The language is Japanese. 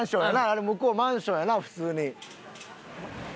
あれ向こうマンションやな普通に。